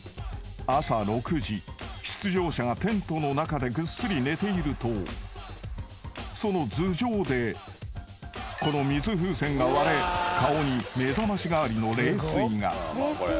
［朝６時出場者がテントの中でぐっすり寝ているとその頭上でこの水風船が割れ顔に目覚まし代わりの冷水が］